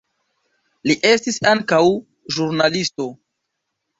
Li estis ankaŭ ĵurnalisto.